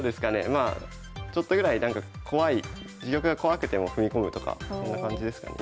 まあちょっとぐらい自玉が怖くても踏み込むとかそんな感じですかね